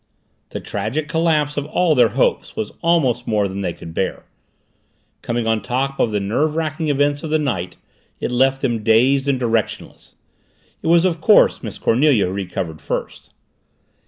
The tragic collapse of all their hopes was almost more than they could bear. Coming on top of the nerve racking events of the night, it left them dazed and directionless. It was, of course, Miss Cornelia who recovered first.